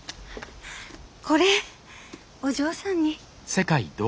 これお嬢さんに。